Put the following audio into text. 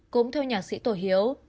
cũng theo nhạc sĩ tổ hiếu